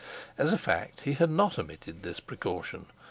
As a fact, he had not omitted this precaution.